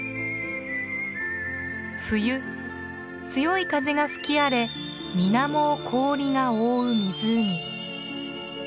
冬強い風が吹き荒れ水面を氷が覆う湖。